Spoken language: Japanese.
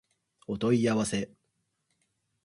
お問い合わせ